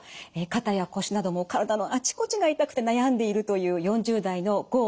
肩や腰など体のあちこちが痛くて悩んでいるという４０代の郷喜子さん。